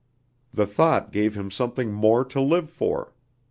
The thought gave him something more to live for.